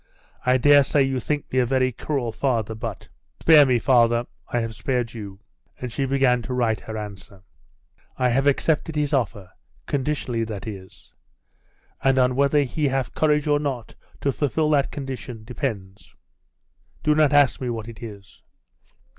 'I daresay you think me a very cruel father; but ' 'Spare me, father I have spared you.' And she began to write her answer. 'I have accepted his offer conditionally, that is. And on whether he have courage or not to fulfil that condition depends Do not ask me what it is.